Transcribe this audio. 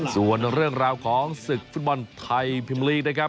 ส่วนเรื่องราวของศึกฟุตบอลไทยพิมลีกนะครับ